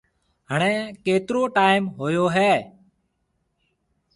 هڻيَ ڪيترو ٽيم هوئي هيَ؟